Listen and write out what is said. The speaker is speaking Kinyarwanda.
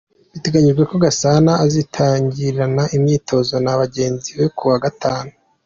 Biteganyijwe ko Gasana azitangirana imyitozo na bagenzi be kuwa Gatanu.